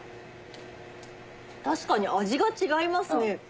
確かに味が違いますね。